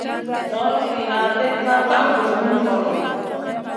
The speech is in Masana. Nor zina ɗènŋa ka zumi ŋolo.